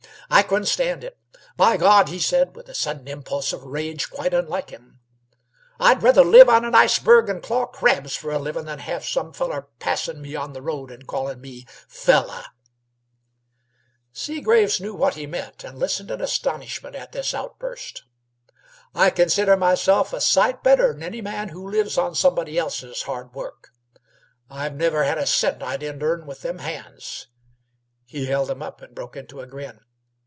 I couldn't stand it. By God!" he said, with a sudden impulse of rage quite unusual, "I'd rather live on an iceberg and claw crabs f'r a livin' than have some feller passin' me on the road an' callin' me 'fellah!'" Seagraves knew what he meant, but listened in astonishment at his outburst. "I consider myself a sight better 'n any man who lives on somebody else's hard work. I've never had a cent I didn't earn with them hands." He held them up and broke into a grin.